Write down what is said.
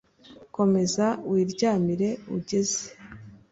komeza wiryamire ugeze